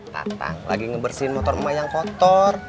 tatang lagi ngebersihin motor emak yang kotor